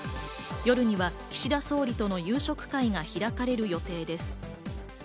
夜には岸田総理との夕食会が開かれる予定です。